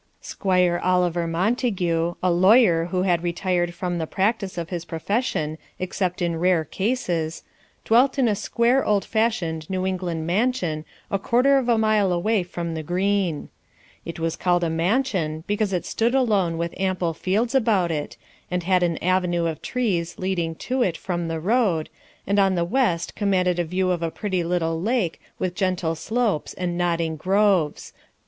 Squire Oliver Montague, a lawyer who had retired from the practice of his profession except in rare cases, dwelt in a square old fashioned New England mansion a quarter of a mile away from the green. It was called a mansion because it stood alone with ample fields about it, and had an avenue of trees leading to it from the road, and on the west commanded a view of a pretty little lake with gentle slopes and nodding were now blossoming under the generous modern influences.